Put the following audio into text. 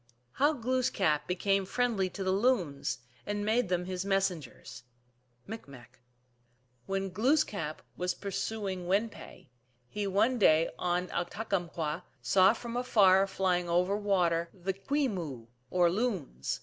1 How Glooskap became friendly to the Loons, and made them his Messengers. (Micmac.) When Glooskap was pursuing Win pe, he one day on Uktukamkw saw from afar flying over water the Kwe moo (M.), or Loons.